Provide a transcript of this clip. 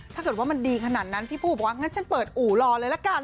ถ้าเกิดว่ามันดีขนาดนั้นพี่ผู้บอกว่างั้นฉันเปิดอู่รอเลยละกัน